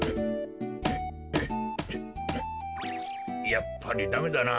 やっぱりダメだなぁ。